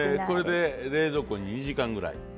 これで冷蔵庫に２時間ぐらい。